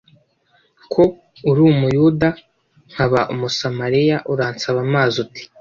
"ko uri Umuyuda nkaba Umusamariya uransaba amazi ute?"